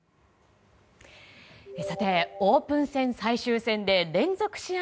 さて、オープン戦最終戦で連続試合